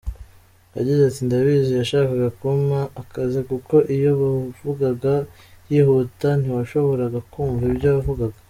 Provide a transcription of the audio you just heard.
Yagize ati “Ndabizi yashakaga kumpa akazi kuko iyo yavugaga yihuta ntiwashoboraga kumva ibyo yavugaga.